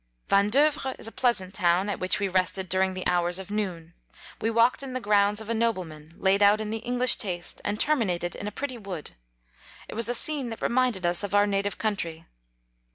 28 Vandeuvres is a pleasant town, at which we rested during the hours of noon. We walked in the grounds of a nobleman, laid out in the English taste, and terminated in a pretty wood; it was a scene that reminded us of our native country.